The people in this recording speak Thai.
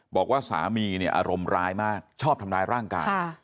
บอกว่าสามีเนี่ยอารมณ์ร้ายมากชอบทำร้ายร่างกาย